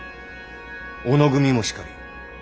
小野組もしかり。